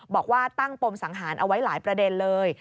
บอกว่าตั้งปมสังหารเอาไว้หลายประเด็นเลย